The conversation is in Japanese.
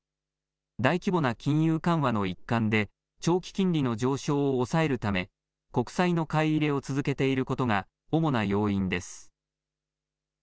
大規模な金融緩和の一環で長期金利の上昇を抑えるため国債の買い入れを続けていることが主な要因です。